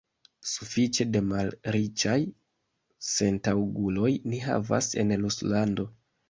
Sufiĉe da malriĉaj sentaŭguloj ni havas en Ruslando.